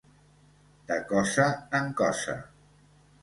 De cosa en cosa.